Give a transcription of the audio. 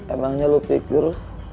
emangnya lu pikir